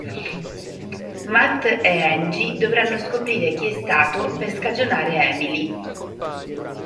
Matt è Angie dovranno scoprire chi è stato per scagionare Emily.